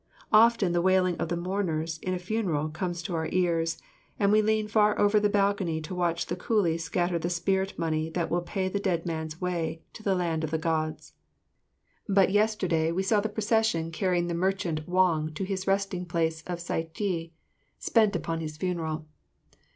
Often the wailing of the mourners in a funeral comes to our ears, and we lean far over the balcony to watch the coolie scatter the spirit money that will pay the dead man's way to land of the Gods. But yesterday we saw the procession carrying the merchant Wong to his resting place of sycee spent upon his funeral.